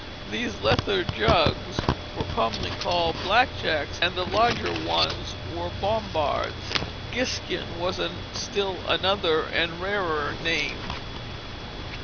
These leather jugs were commonly called black jacks, and the larger ones were bombards. Giskin was still another and rarer name.